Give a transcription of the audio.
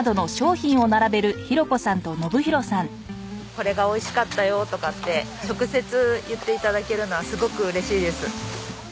「これがおいしかったよ」とかって直接言って頂けるのはすごく嬉しいです。